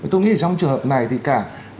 tôi nghĩ trong trường hợp này thì cả